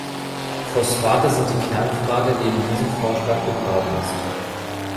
Phosphate sind die Kernfrage, die in diesem Vorschlag begraben ist.